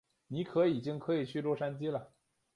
尼可已经可以去洛杉矶了。